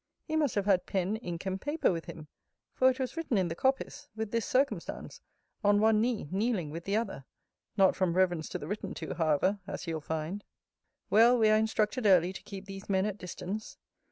He must have had pen, ink, and paper with him; for it was written in the coppice; with this circumstance: On one knee, kneeling with the other. Not from reverence to the written to, however, as you'll find! Well we are instructed early to keep these men at distance.